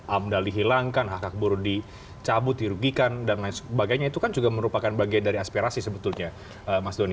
amdal dihilangkan hak hak buruh dicabut dirugikan dan lain sebagainya itu kan juga merupakan bagian dari aspirasi sebetulnya mas doni